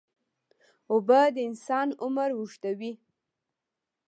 اوبه د انسان عمر اوږدوي.